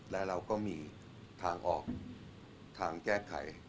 และเราก็มีทางออกทางแก้ไข